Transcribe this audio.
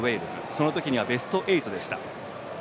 その時にはベスト８でした。